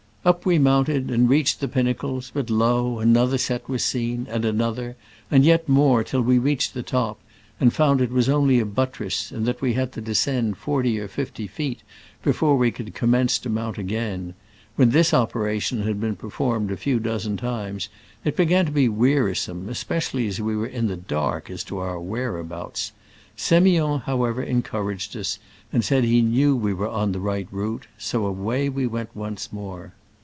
Up we mount ed, and reached the pinnacles ; but, lo ! another set was seen, and another, and yet more, till we reached the top, and found it was only a buttress, and that we had to descend forty or fifty feet before we could commence to mount again. When this operation had been performed a few dozen times it began to be wearisome, especially as we were in th^ dark as to our whereabouts. Semiond, however, encouraged us, and said he knew we were on the right route ; so* away we went once more.